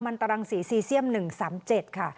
มันตรังศรีซีเซียม๑๓๗ค่ะ